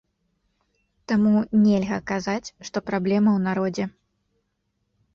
Таму нельга казаць, што праблема ў народзе.